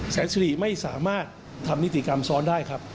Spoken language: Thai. แสนสิริไม่สามารถทำนิติกรรมซ้อนได้ครับ